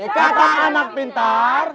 kata anak pintar